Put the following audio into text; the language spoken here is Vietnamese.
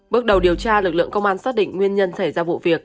bước đầu điều tra lực lượng công an xác định nguyên nhân xảy ra vụ việc